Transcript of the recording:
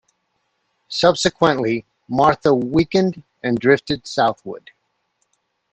Subsequently, Martha weakened and drifted southward.